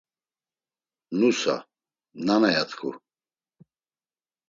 Nusa: “Nana!” ya t̆ǩu.